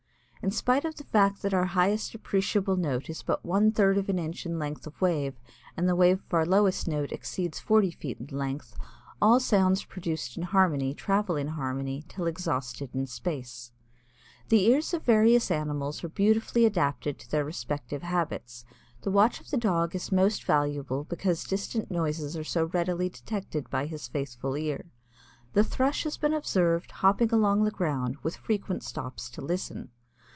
In spite of the fact that our highest appreciable note is but one third of an inch in length of wave and the wave of our lowest note exceeds forty feet in length, all sounds produced in harmony travel in harmony till exhausted in space. The ears of various animals are beautifully adapted to their respective habits. The watch of the Dog is most valuable because distant noises are so readily detected by his faithful ear. The Thrush has been observed hopping along the ground with frequent stops to listen.